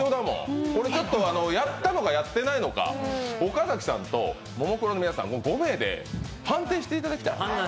これ、やったのか、やってないのか、岡崎さんとももクロの皆さんの５名で判定していただきたい。